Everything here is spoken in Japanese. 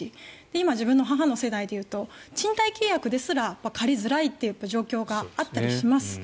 今、自分の母の世代でいうと賃貸住宅ですら借りにくいという状況があったりします。